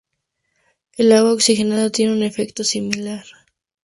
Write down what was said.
El agua oxigenada tiene un efecto similar.